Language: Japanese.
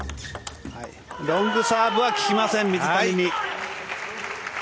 ロングサーブは効きません水谷に。